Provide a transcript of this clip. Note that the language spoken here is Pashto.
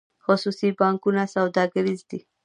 خصوصي بانکونه سوداګریز دي